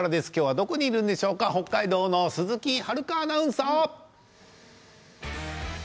どこにいるんでしょうか北海道の鈴木遥アナウンサー！